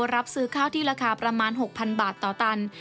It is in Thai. รับซื้อข้าวที่ราคาประมาณ๖๐๐๐บาทต่อตัน